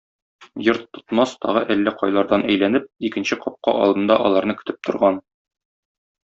Йорт тотмас тагы әллә кайлардан әйләнеп, икенче капка алдында аларны көтеп торган.